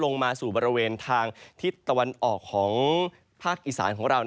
ลงมาสู่บริเวณทางทิศตะวันออกของภาคอีสานของเรา